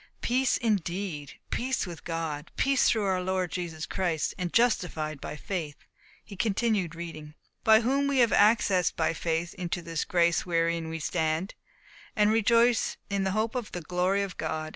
"Peace indeed! Peace with God! Peace through our Lord Jesus Christ and justified by faith." He continued reading: "By whom we have access by faith into this grace wherein we stand, and rejoice in hope of the glory of God.